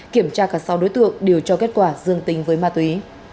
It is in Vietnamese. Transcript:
kiểm tra cả sáu đối tượng đều cho kết quả dương tính với ma túy